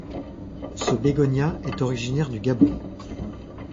Ce bégonia est originaire du Gabon.